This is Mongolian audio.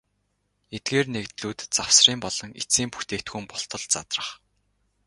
Эдгээр нэгдлүүд завсрын болон эцсийн бүтээгдэхүүн болтол задрах.